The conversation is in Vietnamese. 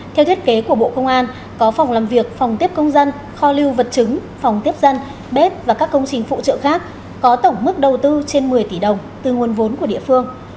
theo thiết kế của bộ công an có phòng làm việc phòng tiếp công dân kho lưu vật chứng phòng tiếp dân bếp và các công trình phụ trợ khác có tổng mức đầu tư trên một mươi tỷ đồng từ nguồn vốn của địa phương